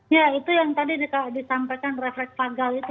ya itu yang tadi disampaikan refleks pagal itu